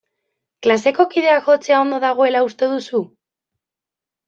Klaseko kideak jotzea ondo dagoela uste duzu?